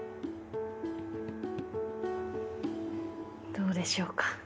どうでしょうか？